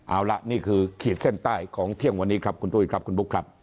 เอาละนี่คือขีดเส้นใต้ของเที่ยงวันนี้ครับคุณตุ้ยครับคุณบุ๊คครับ